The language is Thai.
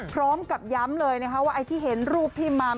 พร้อมกับย้ำเลยนะคะว่าไอ้ที่เห็นรูปพี่มัม